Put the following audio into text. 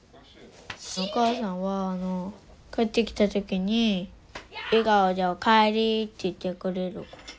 お母さんは帰ってきた時に笑顔で「おかえり」って言ってくれる。